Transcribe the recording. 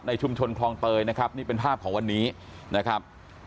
ชุมชนคลองเตยนะครับนี่เป็นภาพของวันนี้นะครับ